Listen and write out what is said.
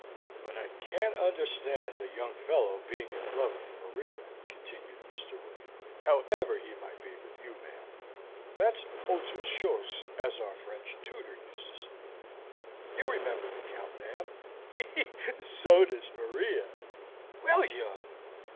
"But I can't understand a young fellow being in love with Maria," continued Mr. William, "however he might be with you, ma'am. That's oter shose, as our French tutor used to say. You remember the Count, ma'am; he! he! and so does Maria!" "William!"